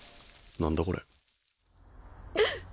何だこれ？